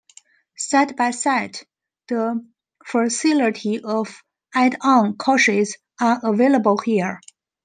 Side by side the facility of add-on courses are available here.